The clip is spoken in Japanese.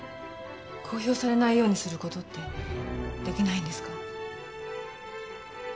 公表されないようにする事って出来ないんですか？